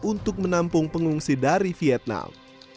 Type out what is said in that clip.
untuk menampung pengungsi dari vietnam